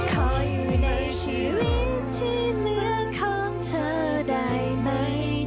เราได้พบเธอจนวันสุดท้าย